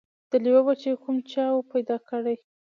د لېوه بچی کوم چا وو پیدا کړی